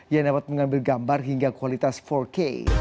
yang dapat mengambil gambar hingga kualitas empat k